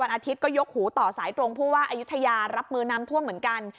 อาทิตย์ก็ยกหูต่อสายตรงผู้ว่าอายุทยารับมือน้ำท่วมเหมือนกัน